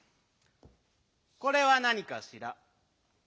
これはなにかしら？